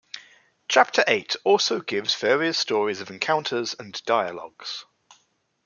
Chapter Eight also gives various stories of encounters and dialogues.